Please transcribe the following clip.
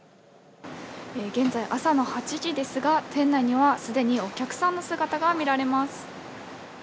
現在、朝の８時ですが、店内には、すでにお客さんの姿が見られます。